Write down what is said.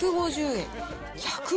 １５０円？